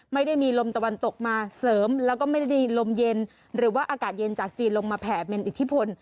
ไม่ได้มีลมตะวันตกมาเสริมแล้วก็ไม่ได้มีลมเย็นหรือว่าอากาศเย็นจากจีนลงมาแผ่เป็นอิทธิพล